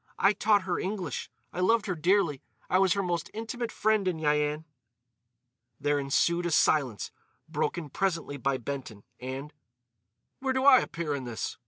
"I taught her English. I loved her dearly. I was her most intimate friend in Yian." There ensued a silence, broken presently by Benton; and: "Where do I appear in this?"